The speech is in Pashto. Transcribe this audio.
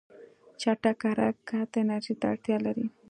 چټک حرکت انرژي ته اړتیا لري.